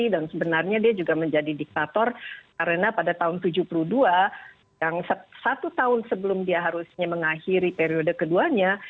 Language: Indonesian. dan sebenarnya dia juga menjadi diktator karena pada tahun seribu sembilan ratus tujuh puluh dua yang satu tahun sebelum dia harusnya mengakhiri periode keduanya